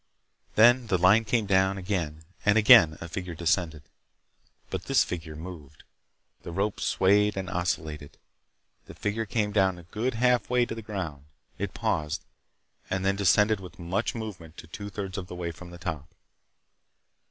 Then the line came down again and again a figure descended. But this figure moved. The rope swayed and oscillated. The figure came down a good halfway to the ground. It paused, and then descended with much movement to two thirds of the way from the top.